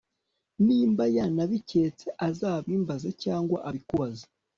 nimba yanabiketse azabimbaza cyangwa abikubaze